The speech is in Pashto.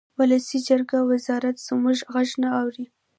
ولسي جرګه او وزارت زموږ غږ نه اوري